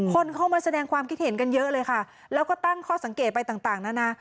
คนเข้ามาแสดงความคิดเห็นกันเยอะเลยค่ะแล้วก็ตั้งข้อสังเกตไปต่างนานา